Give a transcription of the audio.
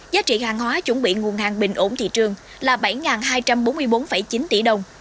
giá trị hàng hóa chuẩn bị nguồn hàng bình ổn thị trường là bảy hai trăm bốn mươi bốn chín tỷ đồng